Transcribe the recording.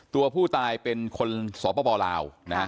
ตัวผู้ตายเป็นคนสอบประบาลลาว